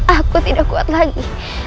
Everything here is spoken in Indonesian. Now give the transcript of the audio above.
aku tidak kuat lagi